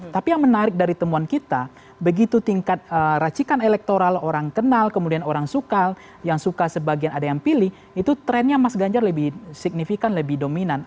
tapi yang menarik dari temuan kita begitu tingkat racikan elektoral orang kenal kemudian orang sukal yang suka sebagian ada yang pilih itu trennya mas ganjar lebih signifikan lebih dominan